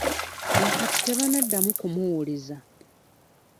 Nakati tebannaddamu kumuwuliza.